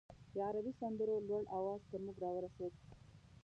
د عربي سندرو لوړ اواز تر موږ راورسېد.